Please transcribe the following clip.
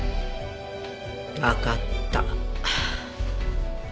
わかった。